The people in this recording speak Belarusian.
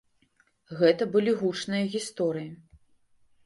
Гэта былі гучныя гісторыі.